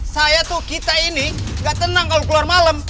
saya tuh kita ini gak tenang kalau keluar malam